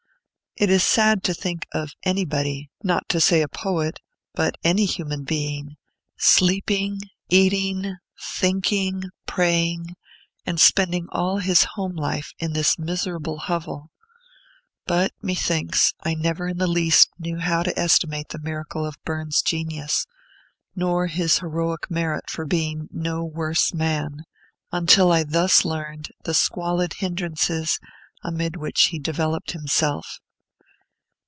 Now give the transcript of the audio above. It is sad to think of anybody not to say a poet, but any human being sleeping, eating, thinking, praying, and spending all his home life in this miserable hovel; but, methinks, I never in the least knew how to estimate the miracle of Burns's genius, nor his heroic merit for being no worse man, until I thus learned the squalid hindrances amid which he developed himself.